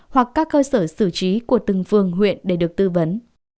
hoặc các cơ sở xử trí của từng phường huyện để được tư vấn